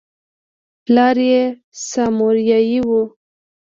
پلار یې سامورايي و.